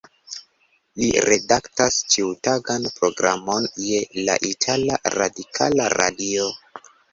Li redaktas ĉiutagan programon je la itala Radikala Radio.